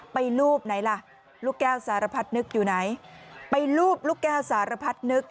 รูปไหนล่ะลูกแก้วสารพัดนึกอยู่ไหนไปลูบลูกแก้วสารพัดนึก